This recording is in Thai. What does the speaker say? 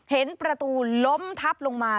เห็นประตูล้มทับลงมา